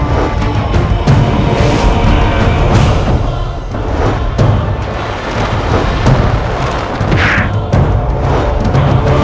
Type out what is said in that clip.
lalu akan menjadi makhluk setengah sacre